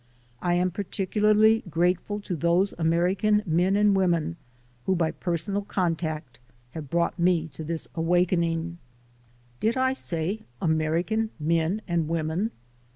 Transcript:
I am particularly grateful to those American men and women who by personal contact have brought me this awakening. Did I say "American men and women"?